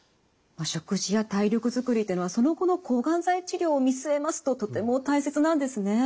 食事や体力づくりというのはその後の抗がん剤治療を見据えますととても大切なんですね。